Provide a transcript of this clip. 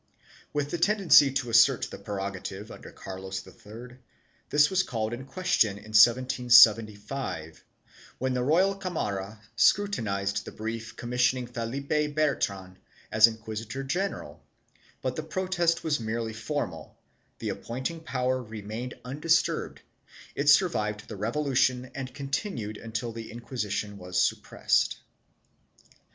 3 With the tendency to assert the prerogative, under Carlos III, this was called in question, in 1775, when the royal Camara scrutinized the brief commissioning Felipe Bertran as inquisitor general, but the protest was merely formal; the appointing power re mained undisturbed; it survived the Revolution and continued until the Inquisition was suppressed.